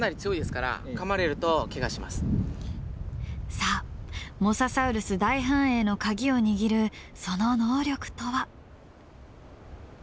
さあモササウルス大繁栄のカギを握るその能力とは。